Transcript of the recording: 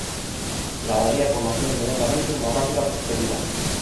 La abadía conoció inmediatamente una rápida prosperidad.